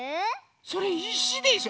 それいしでしょ？